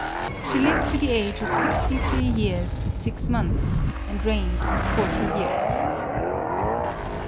She lived to the age of sixty three years, six months, and reigned forty years.